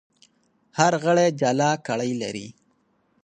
هر غړی جلا ګړۍ لري.